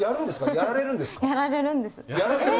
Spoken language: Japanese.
やられるんですか？